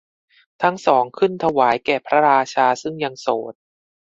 ทั้งสองขึ้นถวายแก่พระราชาซึ่งยังโสด